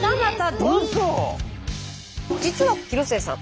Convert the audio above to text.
実は広末さん